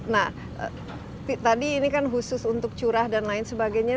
nah tadi ini kan khusus untuk curah dan lain sebagainya